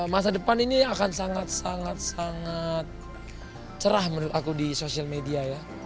masa depan ini akan sangat sangat sangat cerah menurut aku di sosial media ya